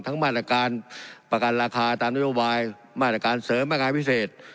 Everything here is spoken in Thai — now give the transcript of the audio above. มาตรการประกันราคาตามนโยบายมาตรการเสริมมาตรการพิเศษ